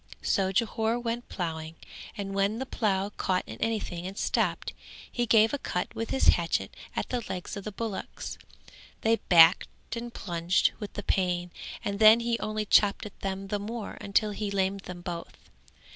So Jhore went ploughing and when the plough caught in anything and stopped, he gave a cut with his hatchet at the legs of the bullocks; they backed and plunged with the pain and then he only chopped at them the more until he lamed them both.